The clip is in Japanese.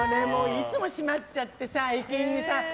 いつも閉まっちゃってさ。